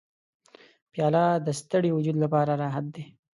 پیاله د ستړي وجود لپاره راحت دی.